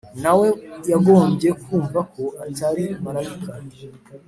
na we yagombye kumva ko atari marayika,